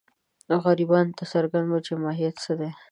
غربیانو ته څرګنده وه چې ماهیت څه دی.